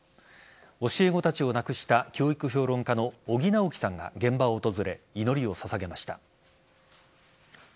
教え子たちを亡くした教育評論家の尾木直樹さんが現場を訪れ、祈りを捧げました。